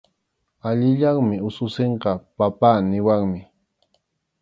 Allillanmi ususinqa “papá” niwanmi.